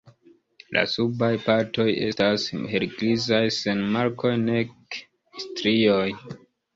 La subaj partoj estas helgrizaj sen markoj nek strioj.